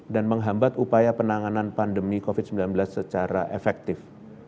dan menghambat upaya penanganan pandemi covid sembilan belas secara efektif